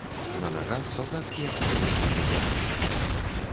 На нагах салдацкія чаравікі без абмотак.